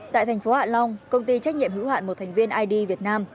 tại thành phố hạ long công ty trách nhiệm hữu hạn một thành viên id việt nam